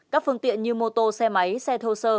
các phương tiện như mô tô xe máy xe thô sơ